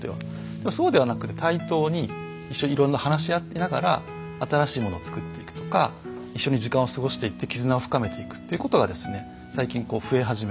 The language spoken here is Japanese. でもそうではなくて対等に一緒にいろいろ話し合いながら新しいものを作っていくとか一緒に時間を過ごしていって絆を深めていくっていうことが最近増え始めている。